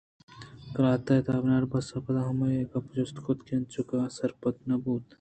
قلات ءِ تہا ؟بناربس ءَ پدا ہمائی ءِ گپ جست کُت انچو کہ آسر پد نہ بوت